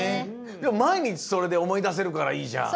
でもまいにちそれでおもいだせるからいいじゃん。